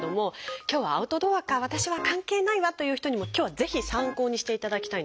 今日はアウトドアか私は関係ないわという人にも今日はぜひ参考にしていただきたいんです。